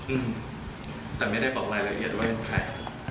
อืมแต่ไม่ได้บอกรายละเอียดด้วยครับ